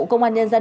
công an nhân dân